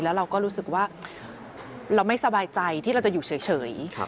แล้วเราก็รู้สึกว่าเราไม่สบายใจที่เราจะอยู่เฉย